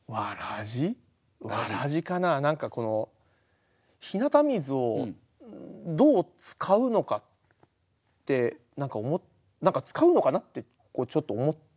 何かこの日向水をどう使うのかって何か「使うのかな？」ってちょっと思ったので。